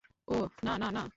ওহ, না না না না।